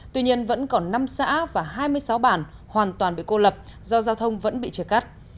tuy nhiên vẫn còn năm xã và hai mươi sáu bản hoàn toàn bị cô lập do giao thông vẫn bị chia cắt